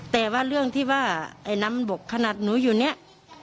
แต่ว่าเรื่องที่ว่าไอ้น้ำมันบอกขนาดหนูอยู่เนี่ย